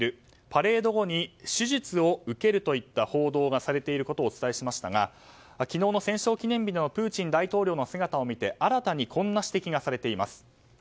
パレード後に手術を受けるといった報道がされていることをお伝えしましたが昨日の戦勝記念日のプーチン大統領の姿を見て新たにこんな指摘がされています。